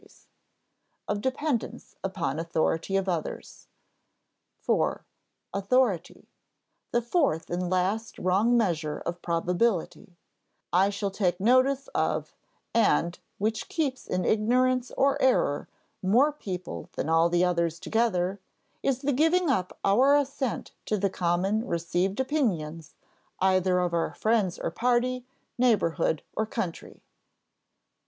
[Sidenote: of dependence upon authority of others] 4. "Authority. The fourth and last wrong measure of probability I shall take notice of, and which keeps in ignorance or error more people than all the others together, is the giving up our assent to the common received opinions, either of our friends or party, neighborhood or country."